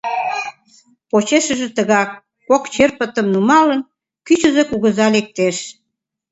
Почешыже тыгак, кок черпытым нумалын, кӱчызӧ кугыза лектеш.